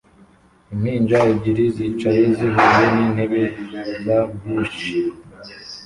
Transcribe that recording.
impinja ebyiri zicaye zihuye n'intebe za bouncy